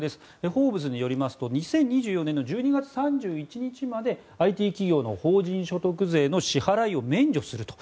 フォーブスによりますと２０１４年１２月３１日までＩＴ企業の法人所得税の支払いを免除すると。